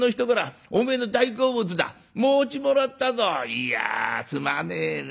いやすまねえね。